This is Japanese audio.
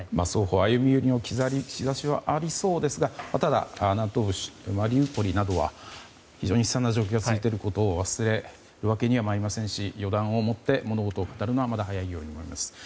双方歩み寄りの兆しはありそうですがただ、マリウポリなどは悲惨な状態が続いていることは忘れるわけにはまいりませんし予断を持って物事を語るのはまだ早いように思います。